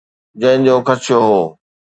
جنهن جو خدشو هو.